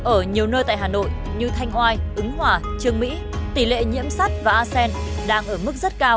ở nhiều nơi tại hà nội như thanh oai ứng hòa trương mỹ tỷ lệ nhiễm sắt và acen đang ở mức rất cao